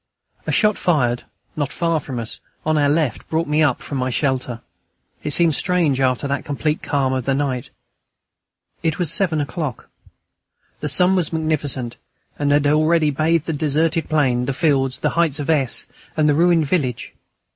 A shot fired, not far from us, on our left brought me up from my shelter. It seemed strange after the complete calm of that night. It was seven o'clock. The sun was magnificent, and had already bathed the deserted plain, the fields, the heights of S., and the ruined village.